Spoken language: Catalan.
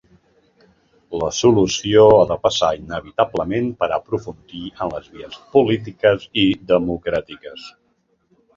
La solució ha de passar inevitablement per aprofundir en les vies polítiques i democràtiques.